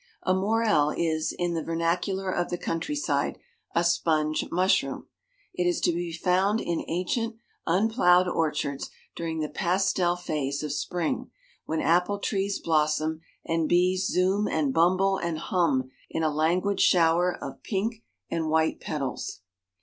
A Morel is — in the vernacular of the countryside — a sponge mushroom. It is to be found in ancient, unplowed orchards during the pastel phase of spring w^hen apple trees blossom and bees zoom and bumble and hum in a languid shower of pink and white petals.